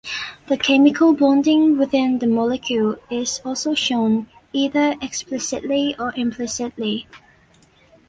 The chemical bonding within the molecule is also shown, either explicitly or implicitly.